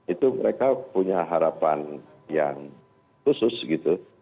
itu mereka punya harapan yang khusus gitu